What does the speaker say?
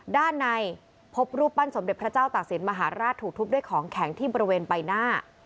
ด้านในพบรูปปั้นสมเด็จพระเจ้าตากศิลปมหาราชถูกทุบด้วยของแข็งที่บริเวณใบหน้า